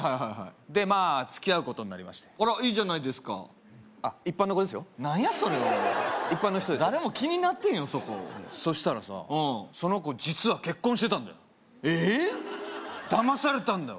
でまあ付き合うことになりましてあらいいじゃないですかあ一般の子ですよ何やそれお前一般の人ですよ誰も気になってへんよそこそしたらさその子実は結婚してたんだよえっだまされたんだよ